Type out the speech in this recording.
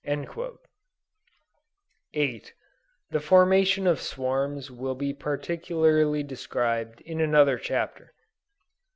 The formation of swarms will be particularly described in another chapter.